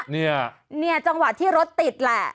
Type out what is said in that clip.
เนี่ยเนี่ยจังหวะที่รถติดแหละ